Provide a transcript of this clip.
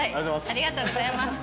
ありがとうございます。